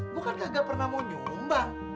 lo kan kagak pernah mau nyumbang